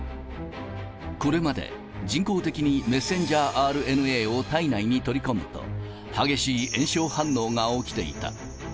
これまで、人工的にメッセンジャーＲＮＡを体内に取り込むと、激しい炎症反応が起きていた。